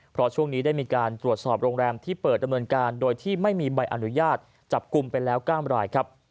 เพราะช่วงนี้ได้มีการตรวจสอบโรงแรมที่เปิดดำเนินการโดยที่ไม่มีใบอนุญาตจับกลุ่มไปแล้ว๙รายครับ